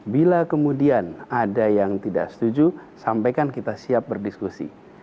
bila kemudian ada yang tidak setuju sampaikan kita siap berdiskusi